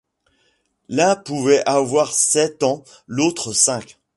L’un pouvait avoir sept ans, l’autre cinq.